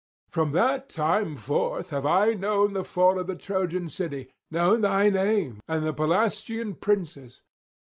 From that time forth have I known the fall of the Trojan city, known thy name and the Pelasgian princes.